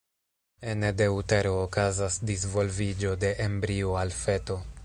Ene de utero okazas disvolviĝo de embrio al feto.